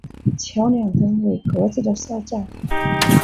桥两端为各自的哨站。